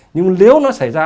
nhưng mà nếu nó xảy ra